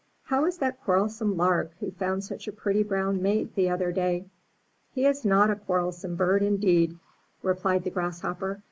How is that quarrel some Lark, who found such a pretty brown mate the other day?" ''He is not a quarrelsome bird indeed," replied the 365 MY BOOK HOUSE Grasshopper.